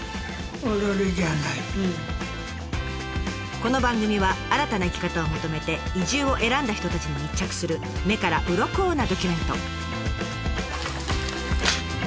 この番組は新たな生き方を求めて移住を選んだ人たちに密着する目からうろこなドキュメント。